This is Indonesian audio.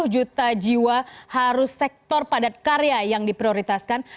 dua ratus lima puluh juta jiwa harus sektor padat karya yang diprioritaskan